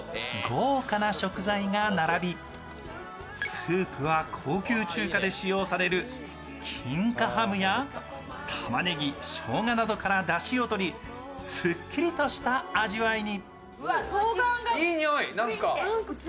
スープは高級中華で使用される金華ハムやたまねぎ、しょうがなどからだしをとりスッキリとした味わいに。